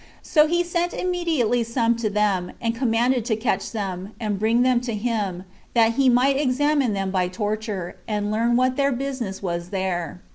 So he sent immediately some to them, and commanded to catch them, and bring them to him, that he might examine them by torture, and learn what their business was there.